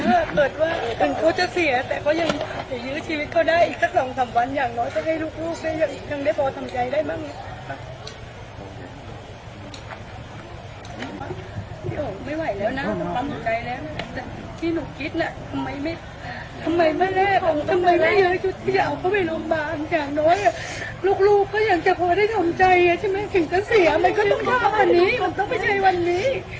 ไม่ไหวแล้วนะความสุขใจแล้วที่หนูคิดนะทำไมไม่ทำไมไม่ได้ทำไมไม่เยอะที่จะเอาเข้าไปโรงพยาบาลอย่างน้อยลูกลูกก็อย่างเฉพาะได้ทำใจอ่ะใช่ไหมถึงจะเสียมันก็ต้องฆ่าวันนี้มันต้องไปใช้วันนี้